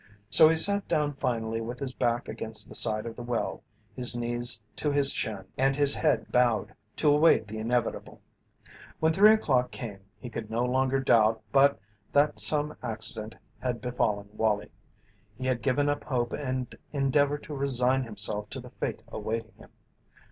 So he sat down finally with his back against the side of the well, his knees to his chin, and his head bowed, to await the inevitable. When three o'clock came he could no longer doubt but that some accident had befallen Wallie. He had given up hope and endeavoured to resign himself to the fate awaiting him.